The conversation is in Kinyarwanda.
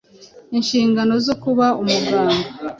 inshingano zo kuba umuganga